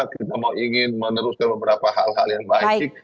kita mau ingin meneruskan beberapa hal hal yang baik